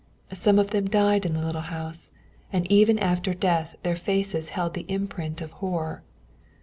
Some of them died in the little house, and even after death their faces held the imprint of horror.